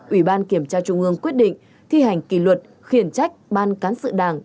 ủy ban kiểm tra trung ương quyết định thi hành kỷ luật khiển trách ban cán sự đảng